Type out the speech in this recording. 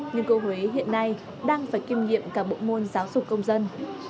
nhưng cô huế hiện nay đang phải kiêm nhiệm cả bộ môn giáo dục công dân